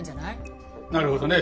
なるほどね。